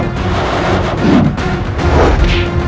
aku akan mencari dia